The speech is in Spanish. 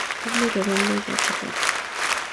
Es muy redondo y achatado.